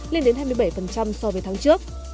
lên đến hai mươi bảy so với tháng trước